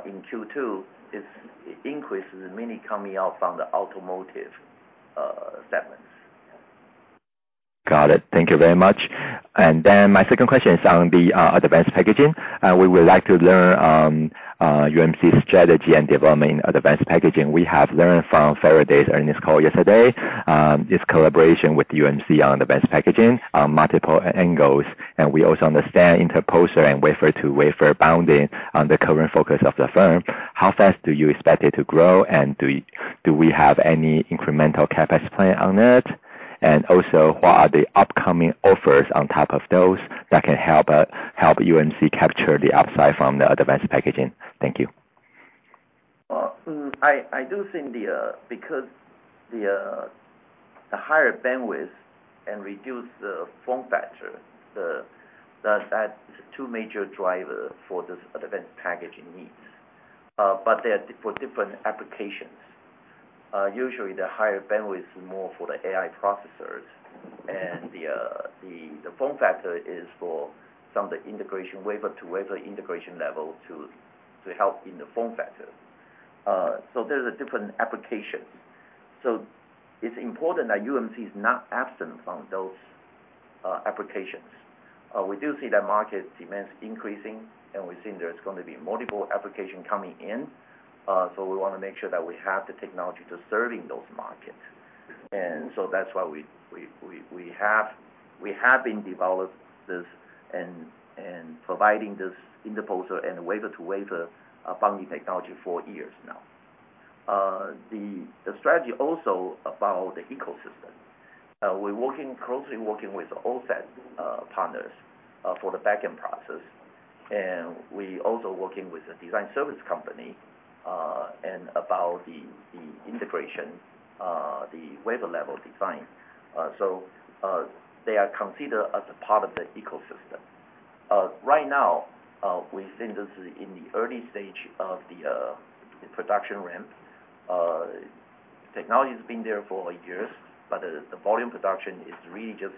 in Q2 is increases mainly coming out from the automotive segment. Got it. Thank you very much. My second question is on the advanced packaging. We would like to learn UMC's strategy and development in advanced packaging. We have learned from Faraday's earnings call yesterday, its collaboration with UMC on advanced packaging on multiple angles, and we also understand interposer and wafer-to-wafer bonding on the current focus of the firm. How fast do you expect it to grow, and do we have any incremental CapEx plan on it? What are the upcoming offers on top of those that can help UMC capture the upside from the advanced packaging? Thank you. Well, I do think the because the higher bandwidth and reduce the form factor, that two major driver for this advanced packaging needs. But they're for different applications. Usually the higher bandwidth is more for the AI processors, and the form factor is for some of the integration, wafer-to-wafer integration level to help in the form factor. There's a different applications. It's important that UMC is not absent from those applications. We do see the market demands increasing, and we've seen there's going to be multiple application coming in. We wanna make sure that we have the technology to serving those markets. That's why we have been developed this and providing this interposer and wafer-to-wafer bonding technology for years now. The strategy also about the ecosystem. We're working, closely working with OSAT partners for the back-end process, and we also working with a design service company, and about the integration, the wafer level design. They are considered as a part of the ecosystem. Right now, we think this is in the early stage of the production ramp. Technology's been there for years, but the volume production is really just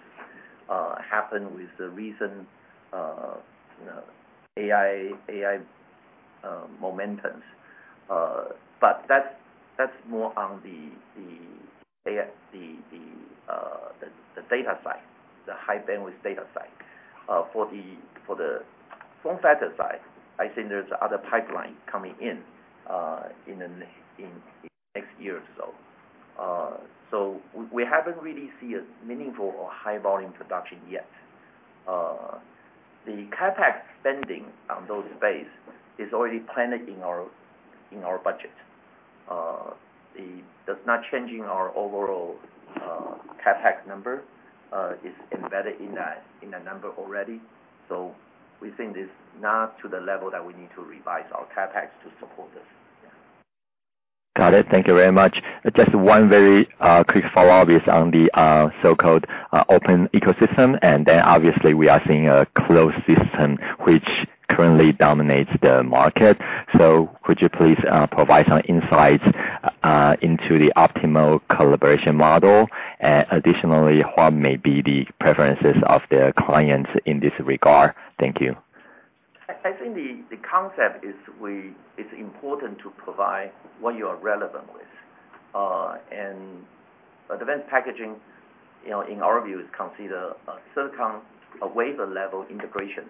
happened with the recent, you know, AI momentums. That's more on the AI, the data side, the high bandwidth data side. For the form factor side, I think there's other pipeline coming in in next year or so. We haven't really seen a meaningful or high volume production yet. The CapEx spending on those space is already planned in our, in our budget. That's not changing our overall CapEx number, it's embedded in that, in the number already. We think it's not to the level that we need to revise our CapEx to support this. Yeah. Got it. Thank you very much. Just one very, quick follow-up is on the, so-called, open ecosystem, and then obviously, we are seeing a closed system which currently dominates the market. Could you please, provide some insights, into the optimal collaboration model? Additionally, what may be the preferences of the clients in this regard? Thank you. I think the concept is it's important to provide what you are relevant with. Advanced packaging, you know, in our view, is considered a silicon, a wafer level integration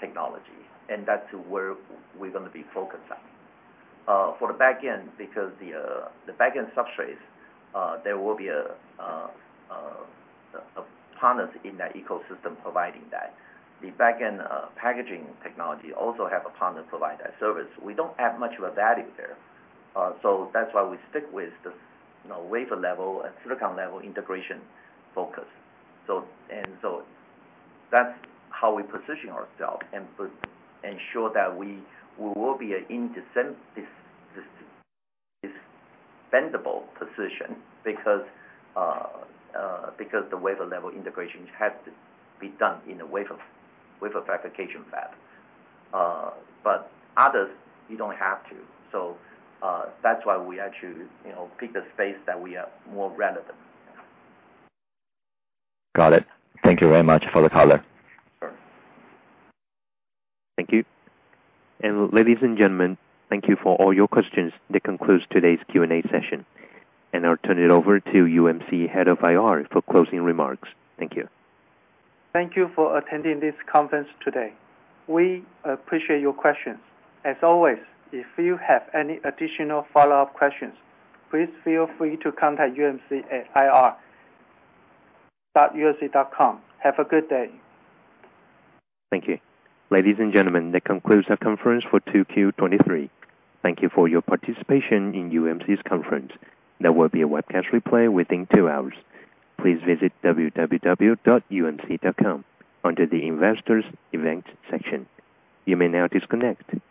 technology, and that's where we're gonna be focused on. For the back end, because the back end substrates, there will be a partner in that ecosystem providing that. The back end packaging technology also have a partner provide that service. We don't have much of a value there, so that's why we stick with the, you know, wafer level and silicon level integration focus. That's how we position ourself and ensure that we will be an indispensable position because the wafer level integration has to be done in a wafer fabrication fab. Others, you don't have to. That's why we actually, you know, pick the space that we are more relevant. Got it. Thank you very much for the color. Sure. Thank you. Ladies and gentlemen, thank you for all your questions. That concludes today's Q&A session, I'll turn it over to UMC Head of IR for closing remarks. Thank you. Thank you for attending this conference today. We appreciate your questions. As always, if you have any additional follow-up questions, please feel free to contact UMC at ir.umc.com. Have a good day. Thank you. Ladies and gentlemen, that concludes our conference for 2Q 2023. Thank you for your participation in UMC's conference. There will be a webcast replay within two hours. Please visit www.umc.com under the Investors Events section. You may now disconnect. Goodbye.